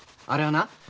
あれはな